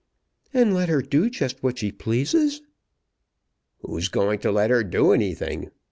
"And let her do just what she pleases?" "Who's going to let her do anything?